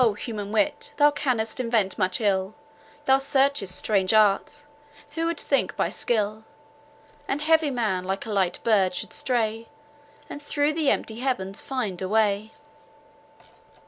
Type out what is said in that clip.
human wit, thou can'st invent much ill, Thou searchest strange arts: who would think by skill, An heavy man like a light bird should stray, And through the empty heavens find a way?